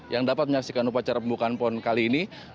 yang dapat menyaksikan upacara pembukaan pon kali ini